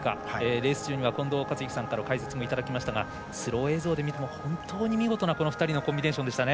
レース中には近藤克之さんからの解説もいただきましたがスロー映像で見ても本当に見事なコンビネーションでしたね。